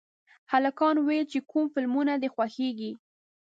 هلکانو ویل چې کوم فلمونه دي خوښېږي